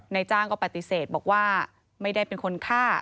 นายจ้างก็ปฏิเสธบอกว่าไม่ได้เป็นคนฆ่า